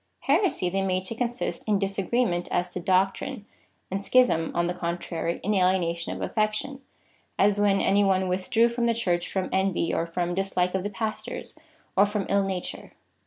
^ Heresy they made to consist in disagreement as to doctrine, and schism, on the contrary, in alienation of affection, as when any one withdrew from the Church from envy, or from dislike of the pastors, or from ill nature.